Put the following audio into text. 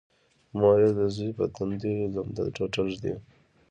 مور یې د زوی په تندي لمده ټوټه ږدي